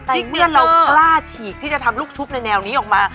เมื่อเรากล้าฉีกที่จะทำลูกชุบในแนวนี้ออกมา